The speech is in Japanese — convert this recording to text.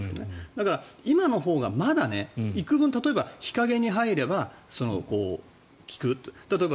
だから、今のほうがまだ幾分例えば日陰に入れば効く。